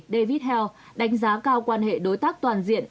david hane đánh giá cao quan hệ đối tác toàn diện